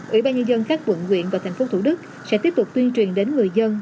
ủy ban nhân dân các vận quyện và thành phố thủ đức sẽ tiếp tục tuyên truyền đến người dân